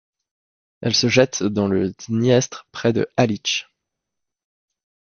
Elle se jette dans le Dniestr près de Halytch.